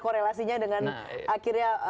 korelasinya dengan akhirnya